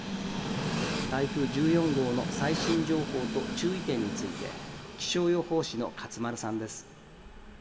台風１４号の最新情報と注意点について気象予報士の勝丸さんです。